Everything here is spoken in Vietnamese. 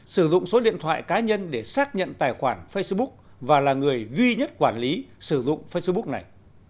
sử dụng số điện thoại cá nhân để xác nhận tài khoản facebook và là người duy nhất quản lý sử dụng facebook này